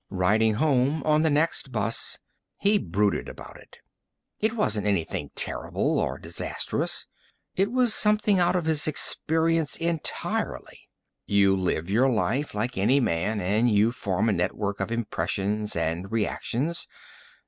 Riding home on the next bus, he brooded about it. It wasn't anything terrible or disastrous; it was something out of his experience entirely. You live your life, like any man, and you form a network of impressions and reactions.